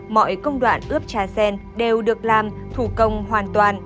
mọi công đoạn ướp trà sen đều được làm thủ công hoàn toàn